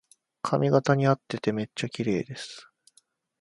髪型にあっててめっちゃきれいです